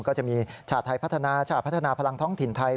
ก็จะมีชาติไทยพัฒนาชาติพัฒนาพลังท้องถิ่นไทย